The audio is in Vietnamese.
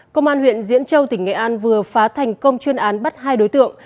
công an huyện diễn châu tỉnh nghệ an vừa phá thành công chuyên án bắt hai đối tượng